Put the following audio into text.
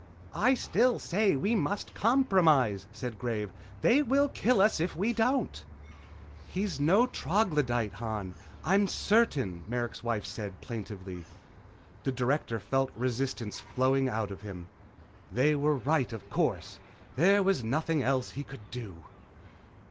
"I still say we must compromise," Graves said. "They will kill us if we don't " "He's no troglodyte, Han, I'm certain " Merrick's wife said plaintively. The Director felt resistance flowing out of him. They were right, of course. There was nothing else he could do.